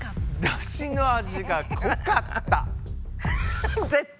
ダシの味が濃かった。